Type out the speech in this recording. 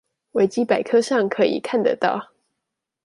維基百科上可以看得到